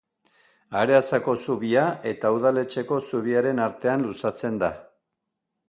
Areatzako zubia eta Udaletxeko zubiaren artean luzatzen da.